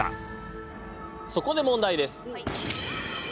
そこで問題です。